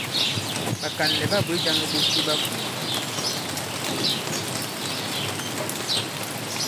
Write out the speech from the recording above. Ɓàkànlɛ̀ ɓa bwě jāŋ iɓok di ɓa kùà.